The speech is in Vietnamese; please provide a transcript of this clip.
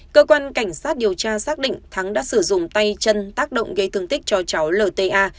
cơ quan cảnh sát điều tra xác định thắng đã sử dụng tay chân tác động gây thương tích cho cháu lta